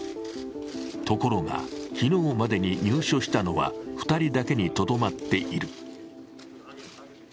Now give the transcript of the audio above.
ところが、昨日までに入所したのは２人だけにとどまっている。